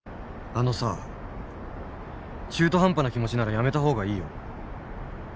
あのさ中途半端な気持ちならやめた方がいいよ